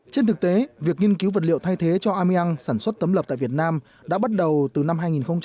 trên thực tế việc nghiên cứu vật liệu thay thế cho ameang sản xuất tấm lập tại việt nam đã bắt đầu từ năm hai nghìn một mươi